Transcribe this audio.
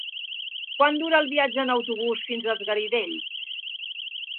Quant dura el viatge en autobús fins als Garidells?